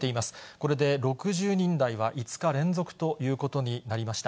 これで６０人台は５日連続ということになりました。